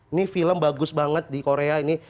ini film bagus banget di korea ini